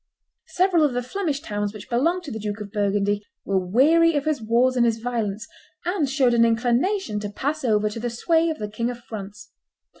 Several of the Flemish towns which belonged to the Duke of Burgundy were weary of his wars and his violence, and showed an inclination to pass over to the sway of the King of France.